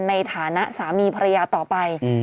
ในฐานะสามีภรรยาต่อไป